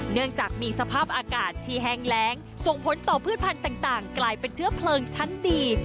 เนื่องจากมีสภาพอากาศที่แห้งแรงส่งผลต่อพืชพันธุ์ต่างกลายเป็นเชื้อเพลิงชั้นดี